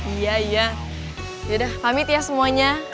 iya iya yaudah pamit ya semuanya